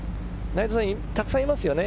内藤さん、たくさんいますよね。